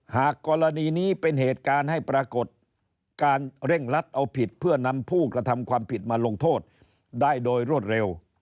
หากกรณีนี้เป็นเหตุการณ์ให้ปรากฏการเร่งรัดเอาผิดเพื่อนำผู้กระทำความผิดมาลงโทษได้โดยรวดเร็ว